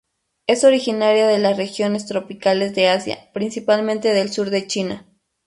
Es originaria de las regiones tropicales de Asia, principalmente del sur de China.